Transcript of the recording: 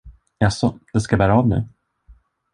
Jaså, det ska bära av nu?